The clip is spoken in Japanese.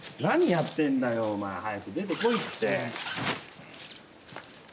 何やってんだよお前早く出てこいって。